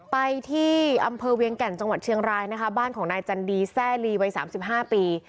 ไปที่อำเภอเวียงแก่นจังหวัดเชียงรายนะคะบ้านของนายจันดีแซ่ลีวัย๓๕ปี